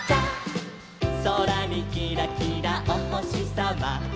「そらにキラキラおほしさま」